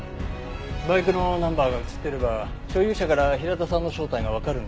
バイクのナンバーが映ってれば所有者から平田さんの正体がわかるんですけどね。